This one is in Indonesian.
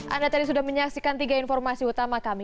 anda tadi sudah menyaksikan tiga informasi utama kami